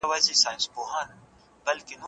ولي مدام هڅاند د مستحق سړي په پرتله لوړ مقام نیسي؟